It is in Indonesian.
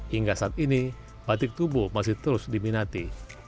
hingga saat ini batik tubuh masih terus diminati